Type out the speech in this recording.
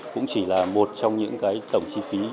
cũng chỉ là một trong những cái tổng chi phí